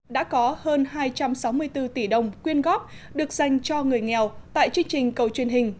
đã có hơn hai trăm sáu mươi bốn tỷ đồng quyên góp được dành cho người nghèo tại chương trình cầu truyền hình